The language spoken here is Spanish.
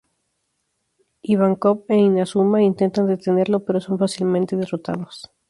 Ivankov e Inazuma intentan detenerlo pero son fácilmente derrotados.